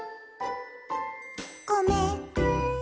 「ごめんね」